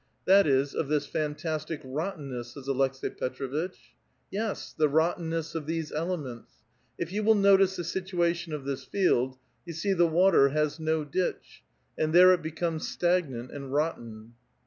"That is, of this fantastic rottenness," says Aleks^i Petr6 vitch. " Yes, the rottenness of these elements ; if 3'ou will notice the situation of this field, you see the water has no ditch, and there it becomes stiignant and rotten."